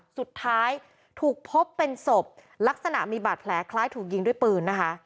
สุดท้ายถูกพบเป็นศพลักษณะมีบาดแผลคล้ายถูกยิงด้วยปืนนะคะ